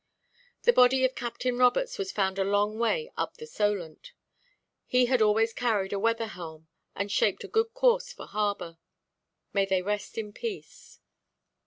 The body of Captain Roberts was found a long way up the Solent. He had always carried a weather helm, and shaped a good course for harbour. May they rest in peace!